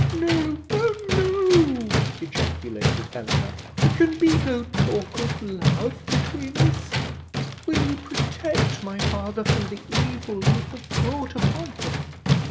"No, no, no," ejaculated Eleanor; "there can be no talk of love between us. Will you protect my father from the evil you have brought upon him?"